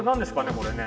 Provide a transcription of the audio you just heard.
これね。